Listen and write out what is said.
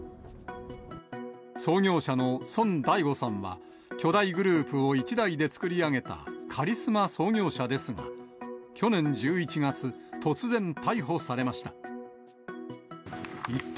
創業者の孫大午さんは、巨大グループを１代で作り上げたカリスマ創業者ですが、去年１１月、突然、逮捕されました。